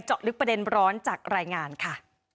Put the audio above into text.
ลึกประเด็นร้อนจากรายงานค่ะ